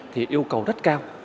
thì yêu cầu rất cao